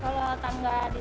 nggak bakalan jadi